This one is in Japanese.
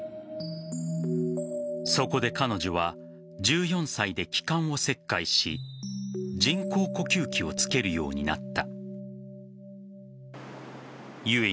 そこで彼女は１４歳で気管を切開し人工呼吸器をつけるようになった。